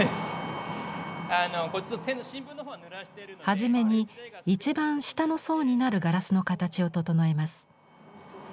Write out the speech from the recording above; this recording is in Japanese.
初めに一番下の層になるガラスの形を整えます。